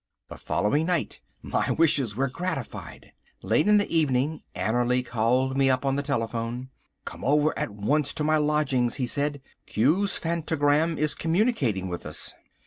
The following night my wishes were gratified. Late in the evening Annerly called me up on the telephone. "Come over at once to my lodgings," he said. "Q's phanogram is communicating with us."